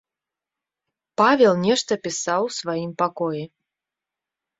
Павел нешта пісаў у сваім пакоі.